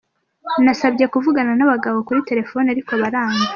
Nasabye kuvugana n’abagabo kuri telephone, ariko baranga.